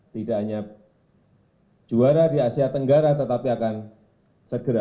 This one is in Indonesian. tidak hanya juara di asia tenggara tetapi akan segera